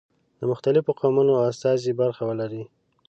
د مختلفو قومونو استازي برخه ولري.